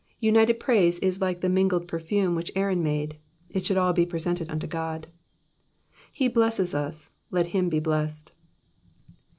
United piaise is like the mingled perfume which Aaron made, it should all be presented unto God. He blesses us; let him be blessed.